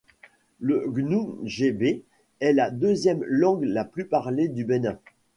Le Goun-gbe est la deuxième langue la plus parlée du Bénin.